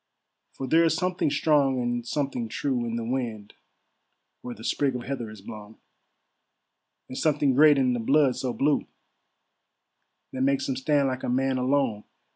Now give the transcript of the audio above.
For there's something strong and something true In the wind where the sprig of heather is blown; And something great in the blood so blue, That makes him stand like a man alone.